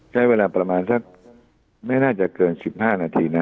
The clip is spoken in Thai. ใช้เวลาประมาณสักไม่น่าจะเกิน๑๕นาทีนะ